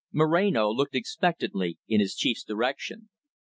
Moreno looked expectantly in his chief's direction.